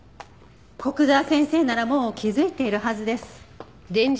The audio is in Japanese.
古久沢先生ならもう気づいているはずです。